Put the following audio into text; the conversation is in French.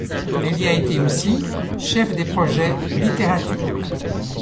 Elle y a été aussi chef des projets Littérature.